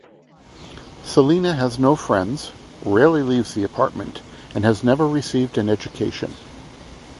Selina has no friends, rarely leaves the apartment, and has never received an education.